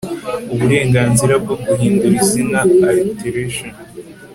UBURENGANZIRA BWO GUHINDURA IZINA ALTERATION